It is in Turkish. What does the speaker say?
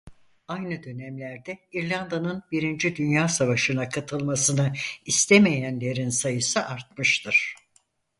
Aynı dönemlerde İrlanda'nın birinci Dünya Savaşı'na katılmasını istemeyenlerin sayısı artmıştır.